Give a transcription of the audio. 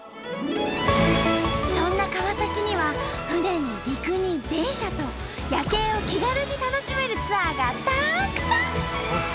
そんな川崎には船に陸に電車と夜景を気軽に楽しめるツアーがたくさん！